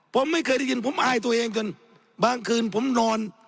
ผมไม่เคยได้ยินผมอายตัวเองเกินบางคืนผมนอน